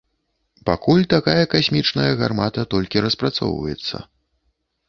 Пакуль такая касмічная гармата толькі распрацоўваецца.